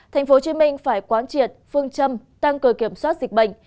thành phố hồ chí minh phải quán triệt phương châm tăng cơ kiểm soát dịch bệnh